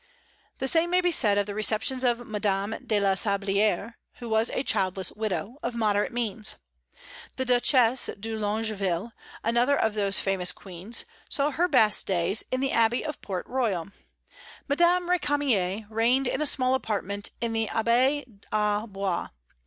The same may be said of the receptions of Madame de la Sablière, who was a childless widow, of moderate means. The Duchesse de Longueville another of those famous queens saw her best days in the abbey of Port Royal. Madame Récamier reigned in a small apartment in the Abbaye au Bois.